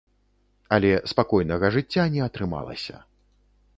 Але спакойнага жыцця не атрымалася.